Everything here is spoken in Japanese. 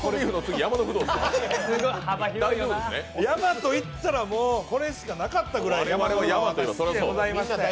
山といったらもう、これしかなかったくらいでございます。